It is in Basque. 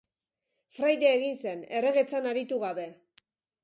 Fraide egin zen, erregetzan aritu gabe.